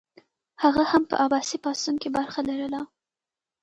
هغه هم په عباسي پاڅون کې برخه لرله.